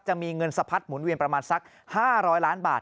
จะมีเงินสะพัดหมุนเวียนประมาณสัก๕๐๐ล้านบาท